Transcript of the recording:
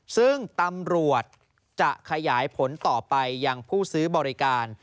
ซึ่งตำรวจจะขยายผลต่อไปยังผู้ซื้อบริการ